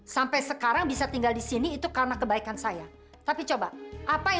sampai jumpa di video selanjutnya